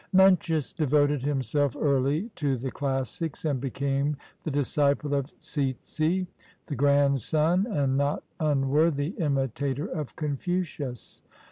Mencius devoted himself early to the classics, and became the disciple of Tsz'sz', the grandson and not unworthy imitator of Confucius.